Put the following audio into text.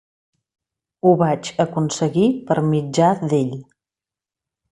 Ho vaig aconseguir per mitjà d'ell.